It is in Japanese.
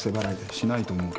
しないと思うけど。